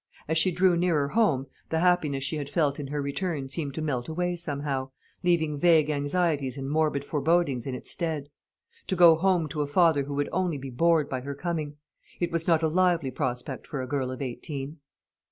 As she drew nearer home, the happiness she had felt in her return seemed to melt away somehow, leaving vague anxieties and morbid forebodings in its stead. To go home to a father who would only be bored by her coming. It was not a lively prospect for a girl of eighteen.